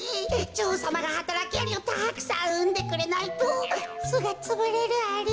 じょおうさまがはたらきアリをたくさんうんでくれないとすがつぶれるアリ。